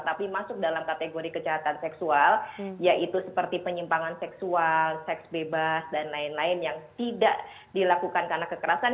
tapi masuk dalam kategori kejahatan seksual yaitu seperti penyimpangan seksual seks bebas dan lain lain yang tidak dilakukan karena kekerasan